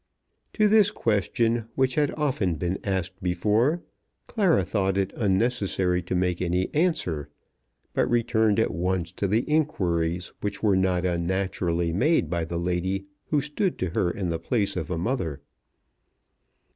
To this question, which had often been asked before, Clara thought it unnecessary to make any answer; but returned at once to the inquiries which were not unnaturally made by the lady who stood to her in the place of a mother.